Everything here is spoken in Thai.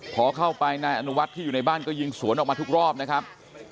พอเข้าไปนายอนุวัฒน์ที่อยู่ในบ้านก็ยิงสวนออกมาทุกรอบนะครับ